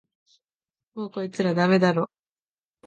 もうこいつらダメだろ